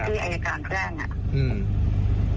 ที่อายการแจ้งเอ่อ